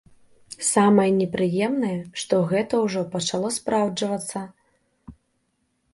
Самае непрыемнае, што гэта ўжо пачало спраўджвацца.